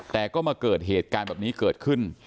แต่ก็มาเกิดเหตุการณ์แบบนี้เกิดขึ้น